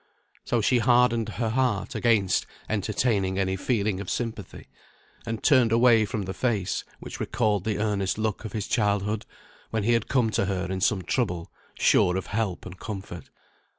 So she hardened her heart against entertaining any feeling of sympathy; and turned away from the face, which recalled the earnest look of his childhood, when he had come to her in some trouble, sure of help and comfort.